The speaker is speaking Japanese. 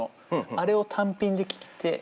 あれを単品で聴きてえ。